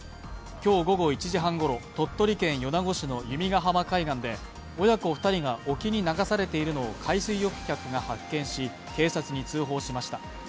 今日午後１時半ごろ、鳥取県米子市の弓ヶ浜海岸で親子２人が沖に流されているのを海水浴客が発見し警察に通報しました。